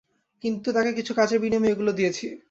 আমি তাকে কিছু কাজের বিনিময়ে এগুলো দিয়েছি।